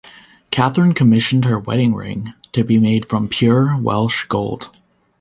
Catherine commissioned her wedding ring to be made from pure Welsh gold.